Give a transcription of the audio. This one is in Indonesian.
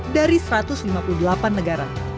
dari satu ratus lima puluh delapan negara